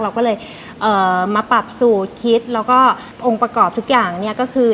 เราก็เลยเอ่อมาปรับสูตรคิดแล้วก็องค์ประกอบทุกอย่างเนี่ยก็คือ